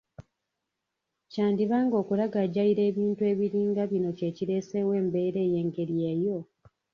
Kyandiba nga okulagajjalira ebintu ebiringa bino kye kireeseewo embeera ey'engeri eyo?